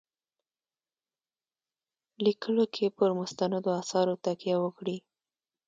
لیکلو کې پر مستندو آثارو تکیه وکړي.